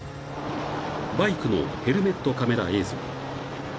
［バイクのヘルメットカメラ映像］